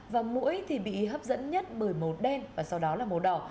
và mũi thì bị hấp dẫn nhất bởi màu đen và sau đó là màu đỏ